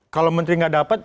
kalau menteri gak dapat